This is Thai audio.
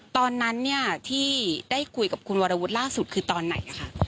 ตอนนั้นที่ได้คุยกับคุณวรวุฒิล่าสุดคือตอนไหน